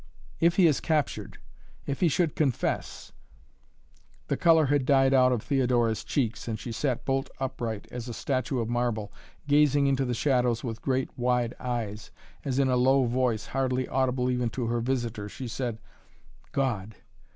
If he is captured if he should confess " The color had died out of Theodora's cheeks and she sat bolt upright as a statue of marble, gazing into the shadows with great wide eyes, as in a low voice, hardly audible even to her visitor, she said: "God!